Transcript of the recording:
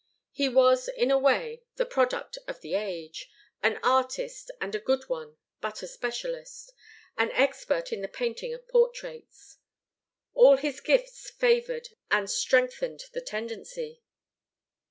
He was, in a way, the product of the age, an artist and a good one, but a specialist an expert in the painting of portraits. All his gifts favoured and strengthened the tendency.